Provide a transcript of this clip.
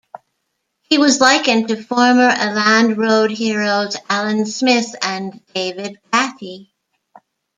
He was likened to former Elland Road heroes Alan Smith and David Batty.